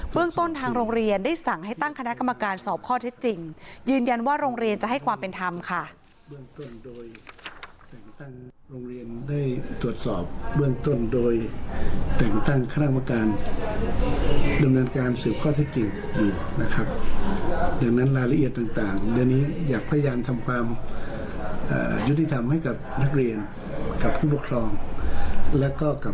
เรื่องต้นทางโรงเรียนได้สั่งให้ตั้งคณะกรรมการสอบข้อเท็จจริงยืนยันว่าโรงเรียนจะให้ความเป็นธรรมค่ะ